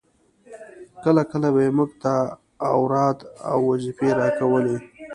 کله کله به يې موږ ته اوراد او وظيفې راکولې.